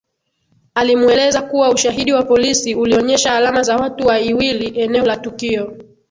Alimueleza kuwa Ushahidi wa polisi ulionyesha alama za watu waiwili eneo la tukio